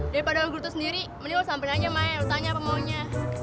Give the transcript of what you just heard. dari pada guru tuh sendiri mending lo sampein aja mah ya lo tanya apa maunya